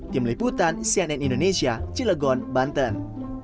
tim liputan cnn indonesia cilegon banten